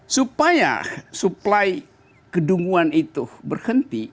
supaya supply kedunguan itu berhenti